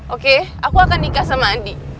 oke aku akan nikah sama adi